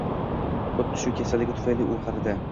Xuddi shu kasalligi tufayli u qaridi.